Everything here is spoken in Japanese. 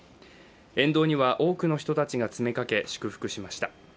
沿道には多くの人たちが詰めかけ祝福しました。